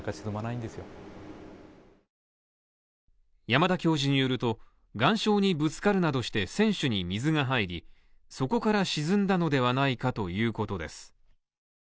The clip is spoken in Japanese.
山田教授によると、岩礁にぶつかるなどして船首に水が入り、そこから沈んだのではないかということです。